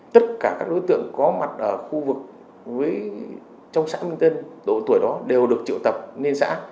tất cả các đối tượng có mặt ở khu vực trong xã minh tân độ tuổi đó đều được triệu tập lên xã